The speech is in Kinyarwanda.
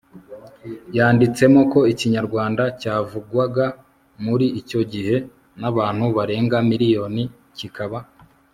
yanditsemo ko ikinyarwanda cyavugwaga muri icyo gihe n'abantu barenga miriyoni kikaba